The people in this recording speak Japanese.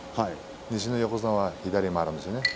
西の横綱は左へ回るんです。